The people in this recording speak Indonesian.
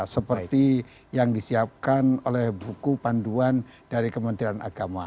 seperti yang disiapkan oleh buku panduan dari kementerian agama